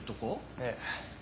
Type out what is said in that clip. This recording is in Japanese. ええ。